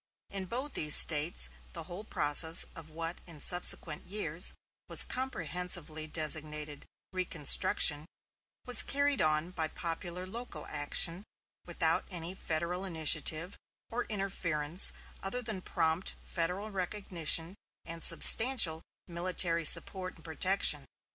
In both these States the whole process of what in subsequent years was comprehensively designated "reconstruction" was carried on by popular local action, without any Federal initiative or interference other than prompt Federal recognition and substantial military support and protection.